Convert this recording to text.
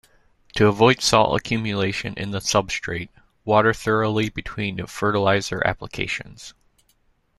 To avoid salt accumulation in the substrate, water thoroughly between fertilizer applications.